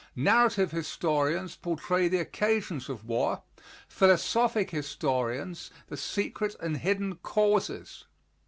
Narrative historians portray the occasions of war; philosophic historians, the secret and hidden causes.